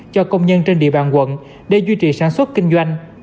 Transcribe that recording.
cho công nhân trên địa bàn quận để duy trì sản xuất kinh doanh